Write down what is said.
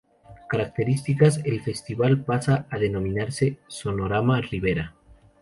Características: El festival pasa a denominarse: "Sonorama Ribera".